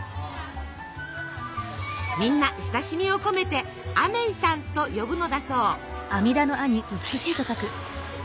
みんな親しみを込めてアメイさんと呼ぶのだそう。